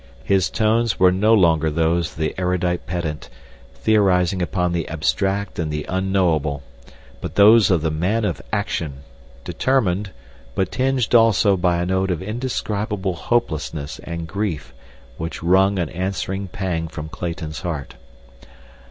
His tones were no longer those of the erudite pedant theorizing upon the abstract and the unknowable; but those of the man of action—determined, but tinged also by a note of indescribable hopelessness and grief which wrung an answering pang from Clayton's heart.